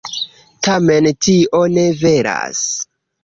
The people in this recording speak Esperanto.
Tamen tio ne veras.